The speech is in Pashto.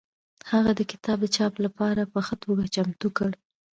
هغه دا کتاب د چاپ لپاره په ښه توګه چمتو کړ.